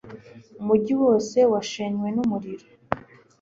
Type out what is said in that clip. Umujyi wose washenywe n'umuriro.